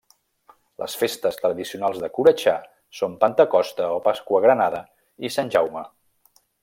Les festes tradicionals de Coratxà són Pentecosta o Pasqua Granada i Sant Jaume.